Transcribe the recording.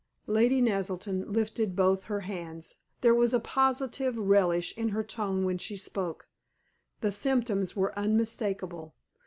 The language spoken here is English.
Lady Naselton lifted both her hands. There was positive relish in her tone when she spoke. The symptoms were unmistakable.